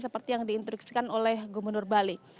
seperti yang diinstruksikan oleh gubernur bali